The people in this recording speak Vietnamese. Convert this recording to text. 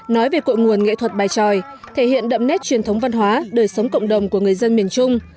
nói về cội nguồn nghệ thuật bài tròi thể hiện đậm nét truyền thống văn hóa đời sống cộng đồng của người dân miền trung